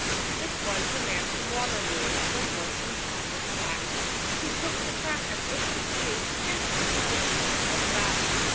_) It was the Man from Waterloo, When work in town was slack, Who took the track as bushmen do, And humped his swag out back.